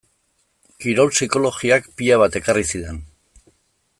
Kirol psikologiak pila bat ekarri zidan.